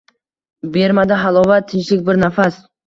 Bermadi halovat, tinchlik bir nafas.